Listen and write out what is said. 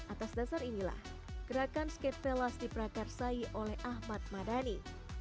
atas dasar inilah gerakan skatepallus diperakarsai oleh ahmad madani